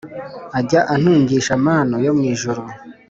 Ajya antungisha manu yo mu ijuru